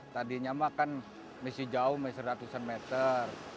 tadinya mah kan masih jauh masih seratusan meter